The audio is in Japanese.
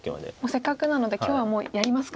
せっかくなので今日はやりますか。